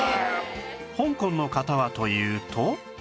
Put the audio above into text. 香港の方はというと